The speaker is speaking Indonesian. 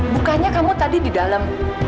bukannya kamu tadi di dalam